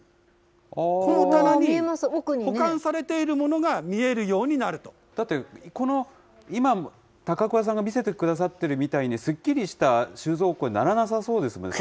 この棚に保管されているものが見だってこの今、高鍬さんが見せてくださってるみたいにすっきりした収蔵庫にならなさそうですもんね。